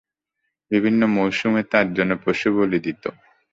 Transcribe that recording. বিভিন্ন মওসূমে তার জন্য পশু বলি দিত।